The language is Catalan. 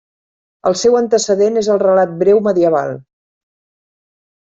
El seu antecedent és el relat breu medieval.